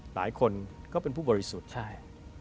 หลายคนก็เป็นผู้บริสุทธิ์ใช่